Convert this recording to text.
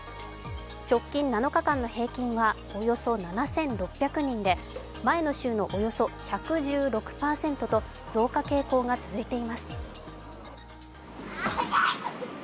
直近７日間の平均はおよそ７６００人で前の週のおよそ１１６％と増加傾向が続いています。